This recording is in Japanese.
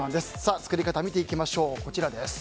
作り方見ていきましょう。